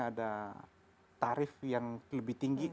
karena ada tarif yang lebih tinggi